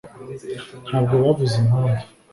ntabwo bavuze impamvu